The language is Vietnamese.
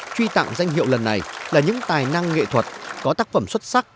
truy tặng danh hiệu lần này là những tài năng nghệ thuật có tác phẩm xuất sắc